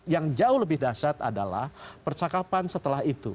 yang jauh lebih dahsyat adalah percakapan setelah itu